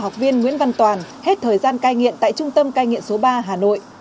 học viên nguyễn văn toàn hết thời gian cai nghiện tại trung tâm cai nghiện số ba hà nội